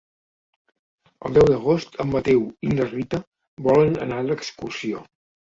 El deu d'agost en Mateu i na Rita volen anar d'excursió.